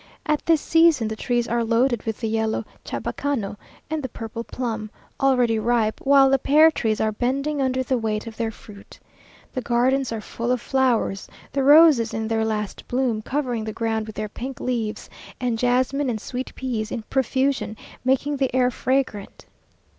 At this season the trees are loaded with the yellow chabacano and the purple plum, already ripe; while the pear trees are bending under the weight of their fruit. The gardens are full of flowers; the roses in their last bloom, covering the crowd with their pink leaves, and jasmine and sweetpeas in profusion, making the air fragrant.